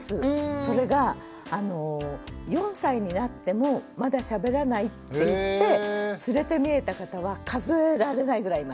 それが４歳になってもまだしゃべらないっていって連れてみえた方は数えられないぐらいいます。